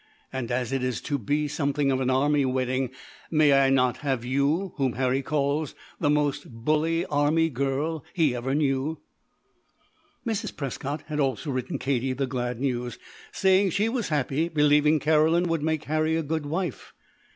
And as it is to be something of an army wedding, may I not have you, whom Harry calls the 'most bully army girl' he ever knew?" Mrs. Prescott had also written Katie the glad news, saying she was happy, believing Caroline would make Harry a good wife.